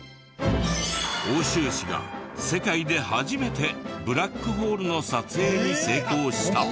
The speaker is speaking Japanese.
奥州市が世界で初めてブラックホールの撮影に成功した。